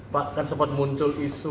pak kan sempat muncul isu